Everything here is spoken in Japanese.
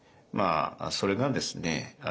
それがですね